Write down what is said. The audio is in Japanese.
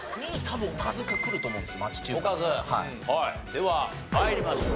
では参りましょう。